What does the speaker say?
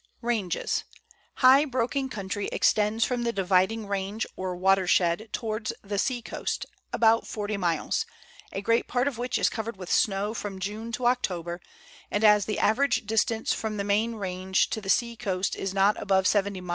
RANGES. High, broken country extends from the Dividing Range or watershed towards the sea coast, about 40 miles, a great part of which is covered with snow from June to October, and as the average distance from the main range to the sea coast is not above 194 Letters from Victorian Pioneers.